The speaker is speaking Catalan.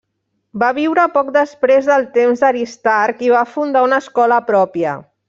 Va viure poc després del temps d'Aristarc i va fundar una escola pròpia.